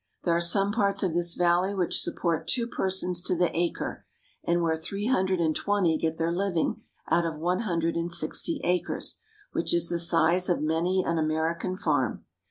There are some parts of this valley which support two persons to the acre, and where three hundred and twenty get their living out of one hundred and sixty acres, which is the size of many an American farm.